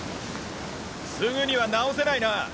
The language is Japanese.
すぐには直せないな。